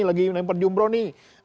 lagi lempar jumroh nih